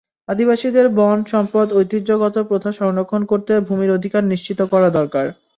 আদিবাসীদের বন, সম্পদ, ঐতিহ্যগত প্রথা সংরক্ষণ করতে ভূমির অধিকার নিশ্চিত করা দরকার।